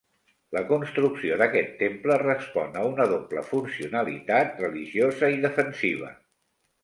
La construcció d'aquest temple respon a una doble funcionalitat: religiosa i defensiva.